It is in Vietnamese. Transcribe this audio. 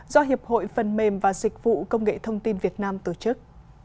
do hiệp hội phần mềm và dịch vụ công nghệ thông tin việt nam tổ chức